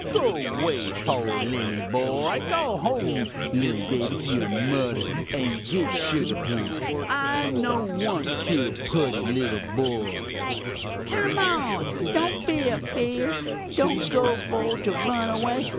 "'Go way, poor lilly boy! go home, lilly baby, to your mudder, and git sugar plum I no want kill puttee lilly boy ' "'Kum on! don't be afeerd! don't go for to run away!